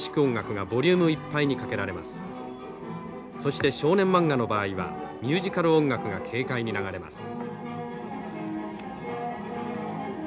そして少年マンガの場合はミュージカル音楽が軽快に流れます。